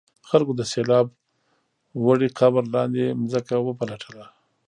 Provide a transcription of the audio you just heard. خلکو د سیلاب وړي قبر لاندې ځمکه وپلټله.